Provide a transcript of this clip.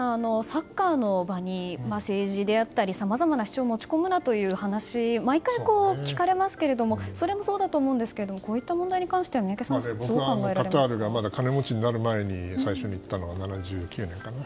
サッカーの場に、政治であったりさまざまな主張を持ち込むなという話は毎回、聞かれますけどそれもそうだと思うんですがこういった問題については僕はカタールがまだ金持ちになる前に最初に行ったのは７９年かな。